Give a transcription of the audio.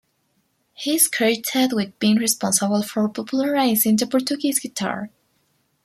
He is credited with being responsible for popularising the Portuguese Guitar.